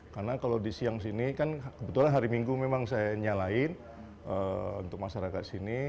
karena kalau di siang sini kan kebetulan hari minggu memang saya nyalain untuk masyarakat sini